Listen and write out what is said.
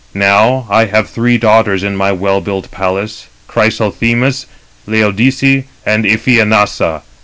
Now, I have three daughters in my well built palace,—Chrysothemis, Laodice, and Iphianassa.